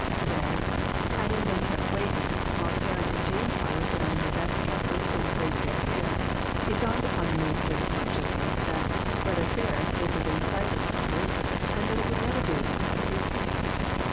Then, having been kept waiting, while Sarah and Jane Potter put on their best dresses and frizzed their hair, it dawned upon the minister's consciousness that "Brother Ferris lived within sight of the Potters, and that it would never do to pass his gate."